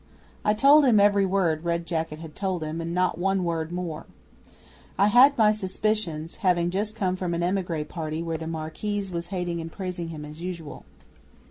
I told him every word Red Jacket had told him and not one word more. I had my suspicions, having just come from an emigre party where the Marquise was hating and praising him as usual.